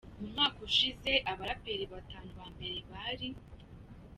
Mu mwaka ushize abaraperi batanu ba mbere bari: P.